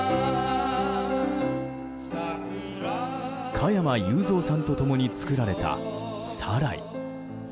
加山雄三さんと共に作られた「サライ」。